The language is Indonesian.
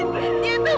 pergi saya bilang pergi